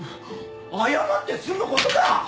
謝って済む事か！